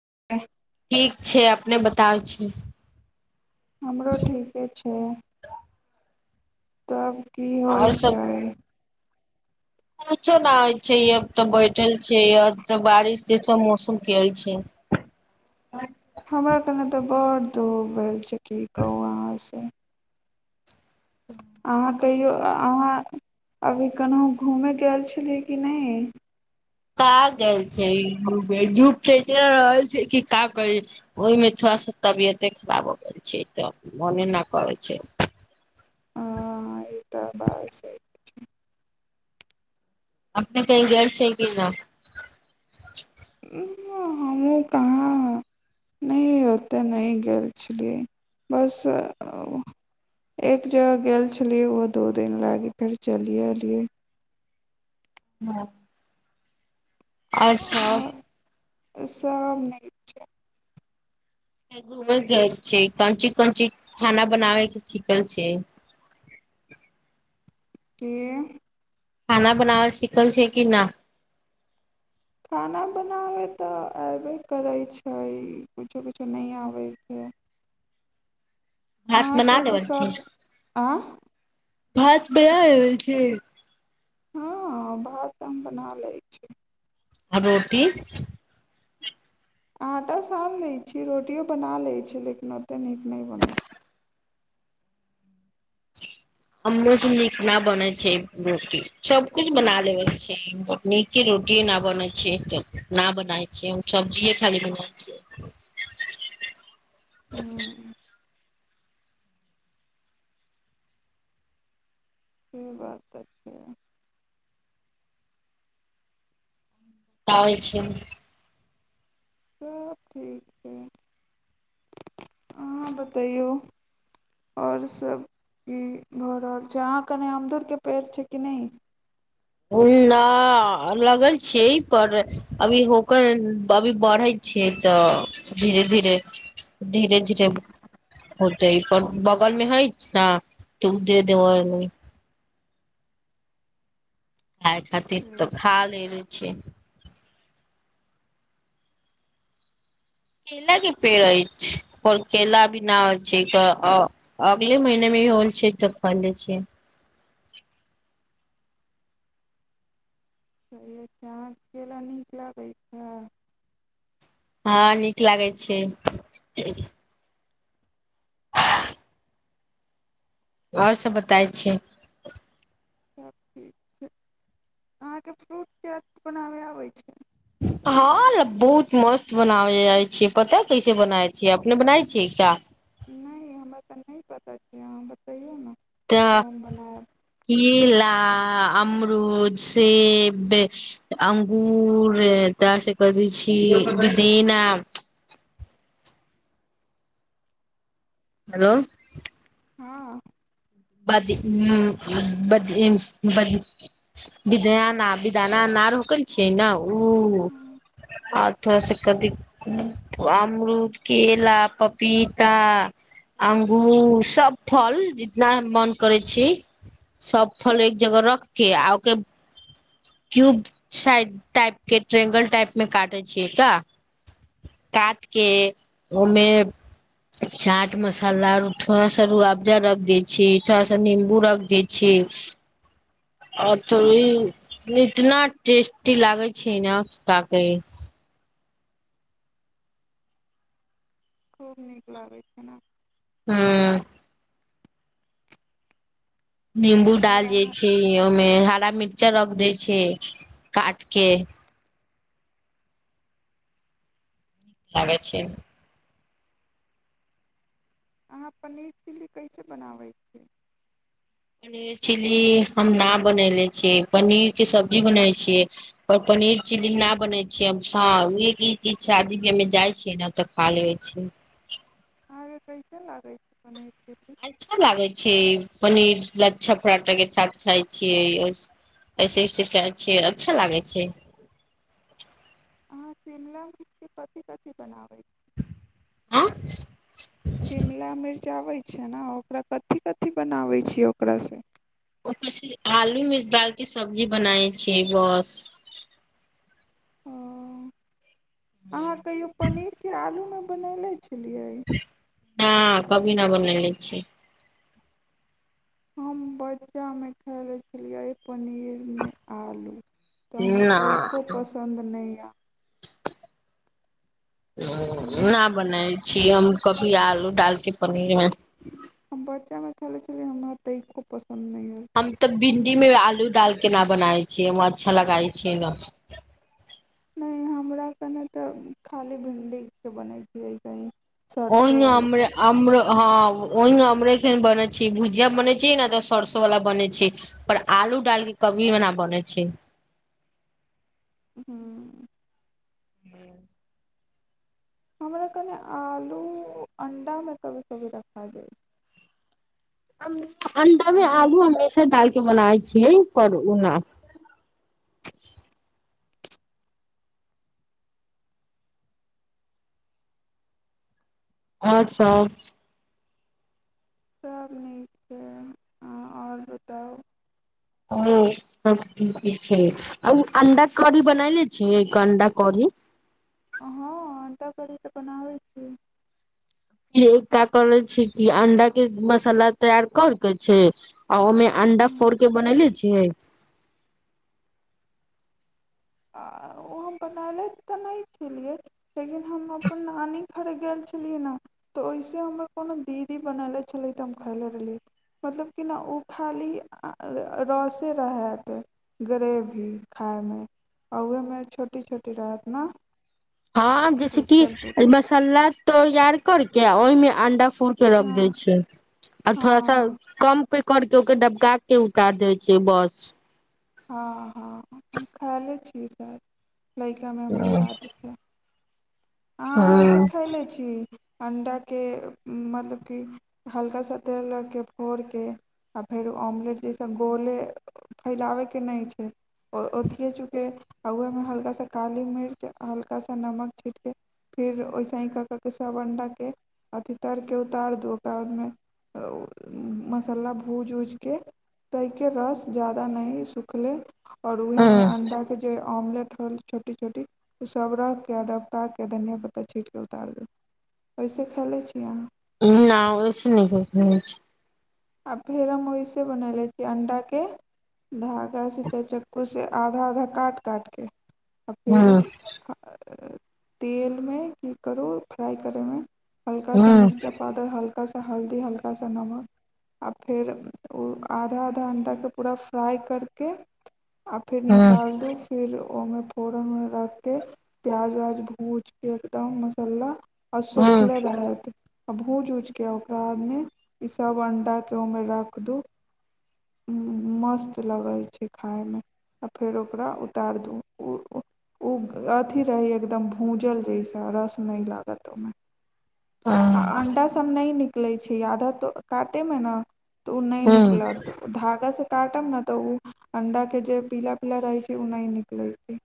[unintelligible] ठीक छै अपने बताब छी हमरो ठीक अछि तब की होइ छै किछो न होइ छै अब तऽ बैठल छै अब तऽ बारिश जेसे सब मौसम कल छै ह हमरा कने तऽ बड्ड धूप भेल छै की कहू अहाँसे अहाँ कहियौ अहाँ अभी केनहुँ घूमयके गैल छलियै कि नहि कहा गेल छलियै घुम धुप एते रहल छै कि का कर ओहि में थोड़ा सा तबियते खराब हो गेल छै तऽ मने न करै छै ह ई तऽ बात सही अपने कही गेल छै कि न हमूँ कहाँ नहि ओतय नहि गेल छलियै बस एक जगह गेल छलियै ओहो दू दिन लागि फेर चलिये एलिये हँ आओर सभ तऽ सरम नहि होइत छै घूम गेल छै कोनची कोनची खाना बनावैके चिकन छै [inaudible] के खाना बनाव सिखल छै कि न खाना बनाबै तऽ अबे करै छै कुछो कुछो नहि आबैत छै भात बना अहाँके तऽ लेवल छै सभ आँय भात बना रहल छी हँ भात तऽ हम बना लै छी आ रोटी आँटा सानि लैत छी रोटिओ बना लैत छी लेकिन ओतेक नीक नहि बनैत [unintelligible] हमो से नीक न बने छै रोटी सब कुछ बना लेब छै नीके रोटी रोटी न बनै छै तब ना बनाय छियै सब्जिये खाली बना छियै ह्म से बात तऽ छै बजाबै छियै सब ठीक छै अहाँ बतायौ आओर सब ई भऽ रहल छै अहाँ कनि अमदुरके पेड़ छै कि नहि न लगल छियै पर अभी होकर अभी बढ़ै छिय तऽ धीरे धीरे धीरे धीरे होतै पर बगलमे हइ न तऽ उदे देव नहि खाय खातिर तऽ खा लेले छीये केला के पेड़ अछि पर केला भी न हो छै अगले महिने मे होल छै तऽ खैले छिये सहिए छै अहाँके केला नीक लागै छै [inaudible] हँ नीक लागै छै आओर सभ बताइ छी सब ठीक छै अहाँके फ्रूट चैट बनाबय आबै छै हँ बहुत मस्त बनाब जाइ छियै पता कैसे बनाै छियै अपने बनाै छियै क्या नहि हमरा तऽ नहि पता छै अहाँ बतैयौ ने तऽ तब हम बनायब केला अमरूद सेब अंगूर तऽ से क दी छिये विदीना [inaudible] हेलो हँ बदी उं बदी बदी बिदयाना बिदनाना आरो कहै छै ने ओ हँ, थोरा सा कथि अमरूद केला पपीता अंगुर सब फल जहेना मन करै छी सब फल एक जगह रख के आ ओके क्यूबछै साइड टाइपके ट्रेंगल टाइपमे काटै छियै का काटके ओमे चाट मसाला उ थोरा सा रूआबजा रख दै छी थोड़ास नींबू रख दै छी और थोड़ी इतना टेस्टी लागे छियै न कि का कहि [inaudible] खूब नीक लागै छै ने हँ निम्बू आओर डाल जाइ अहाँ छै मे हरा मिर्चा रख दै छै काट के लागै छै अहाँ पनीर चिली कैसे बनाबै छियै पनीर चिली हम न बनेले छियै पनीर के सब्जी बनै छियै पर पनीर चिली न बनेै छियै हम ह ई चीज शादी बियाह मे हमे जाइ छियै ने तऽ खा लेेबै छियै अहाँके कैसे लागै छै पनीर चिल्ली अच्छा लागै छै पनीर लच्छा पराठा के साथ खाइ छियै ओइसँ ऐसे ऐसे खाय छियै अच्छा लागै छै अहाँ शिमला मिर्च के कथि कथि बनाबै छिये हँ शिमला मिर्च आबै छै ने ओकरा कथी कथी बनाबै छी ओकरा सँ ओ किसी आलू मे डाल के सब्जी बनाबै छियै रस ओ अहाँ कहियो पनीरके आलूमे बनैले छलियै न कभी न बनेले छियै हम बच्चामे खैले छलियै पनीरमे आलू तऽ हमरा ना तनिको पसन्द नहि या [inaudible] न बनाै छी हम कभी आलू डालके पनीरमे हम बच्चा मे खैले छलियै हमरा तनिको पसंद हम तऽ भिन्डी मे आलू डालके ना बनाए छियै व अच्छा लगाई छियै न नहि हमरा कने तऽ खाली भिणडीके बनैती यै ओहि मे अम्र अम्र हँ ओहि न हमरेके बने छी भुजिया बने छियै न तऽ सरसो वाला बने छै पर आलू डालके कभी ना बनेै छै ह्म ह हमरा कनि आलू अण्डामे कभी कभी रखा जाइ अम अण्डा मे ओ भी आलू हमेशा डालके के बनाय छियै पर उ ना आठ सौ सभ नीक छै अहाँ और बताउ ओ सब ठीके छै ओ अण्डा कढ़ी बनैले छियै अण्डा कढ़ी हँ अण्डा कड़ी तऽ बनाबै छियै एकटा करे छी कि अंडा के मसाला तैयार कर के छै आ ओमे अंडा हाँ, फोड़ के बनैले छियै आ ओ हम बनयलैत तऽ नहि छलियै लेकिन हम अपन नानी घरे गेल छलियै ने तऽ ओहिसे हमर कोनो दीदी बनेले छलै तऽ हम खायले रहलियै मतलब कि ने ओ खाली रसे रहैत ग्रेवी खायमे आ उहमे छोटी छोटी रहत न हँ जैसेकी मसाला तैयार करके ओहिमे अंडा फोड़ के रख हँ दै छियि आ थोड़ा सा हँ कम पे कर के ओ के डबका के उतार देबे छियै बस हँ हँ हम खायले छियै शायद लै कऽ हमे हमरा याद हतै ह अहाँ वैसे खैले छी अण्डाके मतलब कि हल्का सा तेल रख के फोड़ के आ फेरो ऑमलेट जहिस गोले फैलाबयके नहि छै ओ ओतके चुके आ ओहिमे हल्का सा काली मिर्च हल्का सा नमक छीँट के फेर ओहिस ही कऽ कऽ कऽ सभ अण्डाके अथि तर के उतार दू ओकरा बादमे त मसाला भूज उज के तैके रस ज्यादा नहि सुखले और उहे में अंडा के जे ऑमलेट होल छोटी छोटी ओ सब रख के रक के धनिया पत्ता छीटके उतारि दे ओैसे खा लै छी अहाँ नहि ओहिसँ नीक आ फेर हम ओहिस बनले छी अंडा के धागा से चाहे चक्कू से आधा आधा काट काटके आ ह फिर तेलमे की करू फ्राइ करैमे हल्का ह सा मिर्चा पाउडर हल्क हल्का सा हल्दी हल्का सा नमक आ फेर ओ आधा आधा घण्टाके पूरा फ्राइ कर के आ फिर ह ह निकाल दू फिर ओमे फोरन मे रख के प्याज व्याज भूज के एकदम मसाला आ सुखले रहत आ भूज उज के ओकरा बादमे ई सभ अंडा तऽ उमे रख दू मस्त लगै छै खायमे आ फेर ओकरा उतारि दू ओ ओ अथी रहै एकदम भूजल जएसा रस नहि लागत ओहिमे आ अंडा सभ नहि निकलैत छै आधा तो काटेमे न तो नहि निकलत धागा से काटब ने तऽ ओ अंडा के जे पीला पीला रहै छै ओ नहि निकलै छै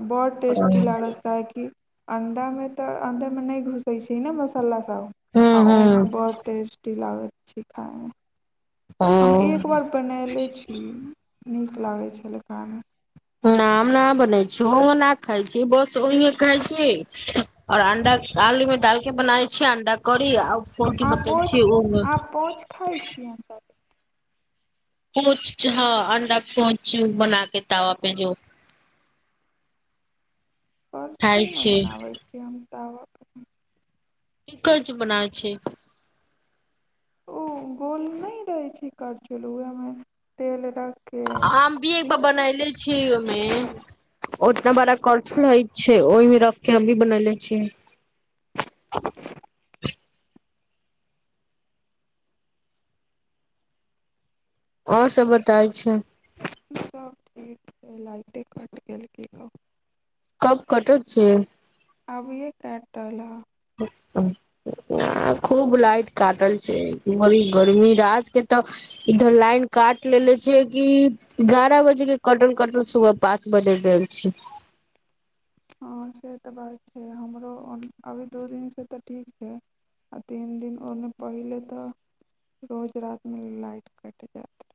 आ बहुत टेस्टी लागत काहे की अंडा मे तऽ अंडे मे नहि घुसै छै ने मसाला ह आ ओमे बड़ टेस्टी लागैत छी खायमे ह हम ह एक बार बनयले छी नीक लागै छल खाइमे ना हम नहि बनै छी ओना खाय छी बस ओेहिये खाय छी और अंडा क आलूमे डालके बनाय छीयै अंडा करी आ फोर के आप बतैल पौच छी उ आप कोच खाइ छियै हम त पौच हँ अण्डा कोच बना के तावा पे जो खाय करछूल मे छै बनाबै छीयै हम तावा ई कज बनाब छै ओ गोल नहि रहै छै करछूलु उहामे तेल डाल के हम भी एक बार बनायले छीयै ओहिमे ओतना बड़ा करछूल होइ छै ओहिमे रख के हम भी बन ले छियै और सब बताय छै लाइटे कट गेल कि कहू कब कटत छै टाला ह आ खूब लाइट काटल छै बरी गर्मी रात के तऽ इधर लाइन काट लेे छै कि ग्यारह बजे के कटल कटल सुबह पाँच बजे देल छी [inaudible] हँ से तऽ बात छै हमरो अभी दू दिनसँ तऽ ठीक छै आ तीन दिन ओन्ने पहिले तऽ रोज रात मे लाइट कट जेत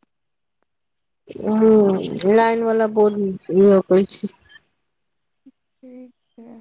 ह्म लाइन वाला बहुत कहै छै [unintelligible] ठीक छै